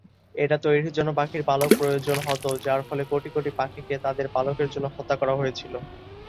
এটা তৈরির জন্য পাখির পালক প্রয়োজন হত, যার ফলে কোটি কোটি পাখিকে তাদের পালকের জন্য হত্যা করা হয়েছিল।